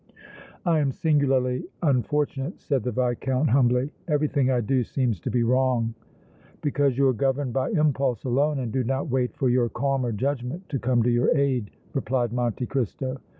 "I am singularly unfortunate," said the Viscount, humbly. "Everything I do seems to be wrong." "Because you are governed by impulse alone and do not wait for your calmer judgment to come to your aid," replied Monte Cristo.